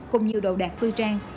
cùng nhiều đồ đạc tư trang